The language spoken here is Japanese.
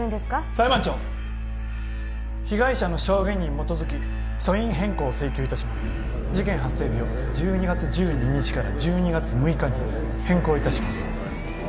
裁判長被害者の証言に基づき訴因変更を請求いたします事件発生日を１２月１２日から１２月６日に変更いたします